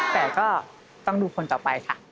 แต่ก็ต้องดูคนต่อไปค่ะ